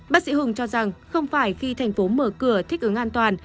bác sĩ hùng cho rằng không phải khi thành phố mở cửa thích ứng an toàn